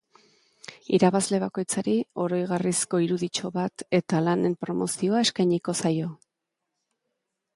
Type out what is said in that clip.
Irabazle bakoitzari oroigarrizko iruditxo bat eta lanen promozioa eskainiko zaio.